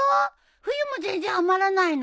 冬も全然余らないの？